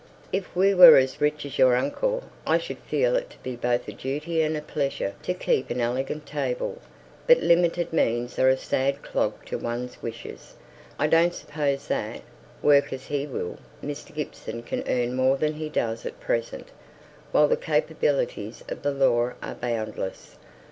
"If we were as rich as your uncle, I should feel it to be both a duty and a pleasure to keep an elegant table; but limited means are a sad clog to one's wishes. I don't suppose that, work as he will, Mr. Gibson can earn more than he does at present; while the capabilities of the law are boundless.